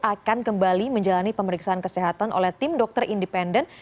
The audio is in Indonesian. akan kembali menjalani pemeriksaan kesehatan oleh tim dokter independen